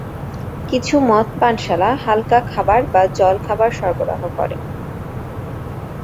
কিছু মদ পানশালা হালকা খাবার বা জল খাবার সরবরাহ করে।